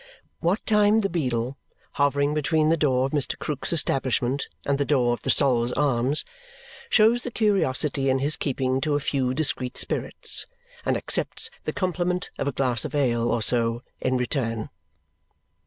What time the beadle, hovering between the door of Mr. Krook's establishment and the door of the Sol's Arms, shows the curiosity in his keeping to a few discreet spirits and accepts the compliment of a glass of ale or so in return.